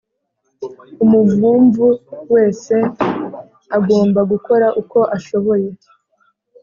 Umuvumvu wese agomba gukora uko ashoboye